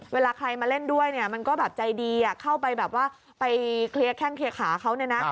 เวลาใครมาเล่นด้วยมันก็ใจดีเข้าไปแคลียร์ขาเขา